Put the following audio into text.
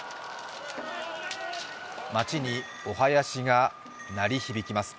街にお囃子が鳴り響きます。